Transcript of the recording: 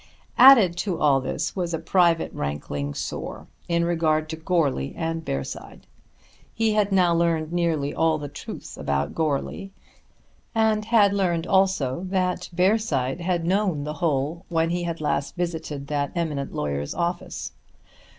Added to all this was a private rankling sore in regard to Goarly and Bearside. He had now learned nearly all the truth about Goarly, and had learned also that Bearside had known the whole when he had last visited that eminent lawyer's office.